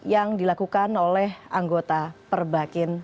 yang dilakukan oleh anggota perbakin